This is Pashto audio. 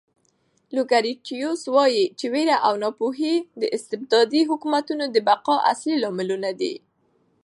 لوکریټیوس وایي چې وېره او ناپوهي د استبدادي حکومتونو د بقا اصلي لاملونه دي.